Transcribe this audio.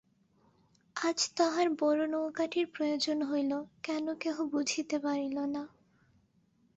আজ তাহার বড় নৌকাটির প্রয়োজন হইল কেন কেহ বুঝিতে পারিল না।